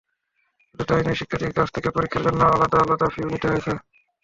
শুধু তা-ই নয়, শিক্ষার্থীদের কাছ থেকে পরীক্ষার জন্য আলাদা ফিও নেওয়া হয়েছে।